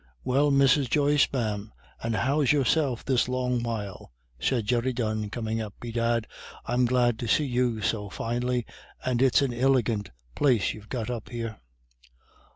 "Well, Mrs. Joyce, ma'am, and how's yourself this long while?" said Jerry Dunne, coming up. "Bedad I'm glad to see you so finely, and it's an iligant place you've got up here."